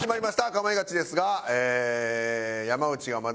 『かまいガチ』ですが。